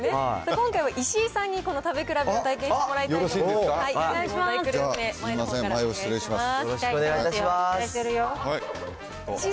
今回は石井さんにこの食べ比べを体験してもらいます。